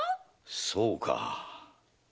そうか。